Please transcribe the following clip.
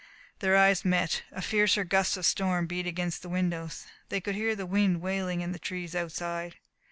Their eyes met. A fiercer gust of the storm beat against the windows. They could hear the wind wailing in the trees outside.